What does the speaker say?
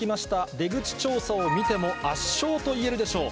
出口調査を見ても、圧勝と言えるでしょう。